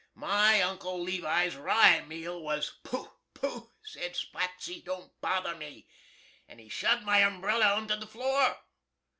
My uncle Levi's rye meal was " "Pooh! pooh!" said Spotsy, "don't bother me," and he shuv'd my umbrella onto the floor.